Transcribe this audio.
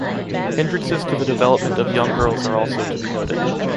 Hindrances to the development of young girls are also to be noted.